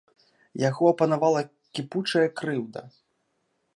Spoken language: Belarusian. Яго апанавала кіпучая крыўда.